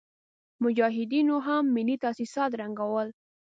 مجاهدينو هم ملي تاسيسات ړنګول.